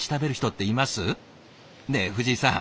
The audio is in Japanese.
ねえ藤井さん。